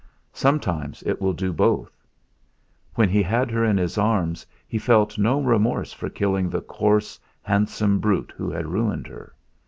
Sometimes it will do both. When he had her in his arms he felt no remorse for killing the coarse, handsome brute who had ruined her.